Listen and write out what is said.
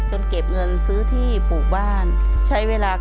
เก็บเงินซื้อที่ปลูกบ้านใช้เวลา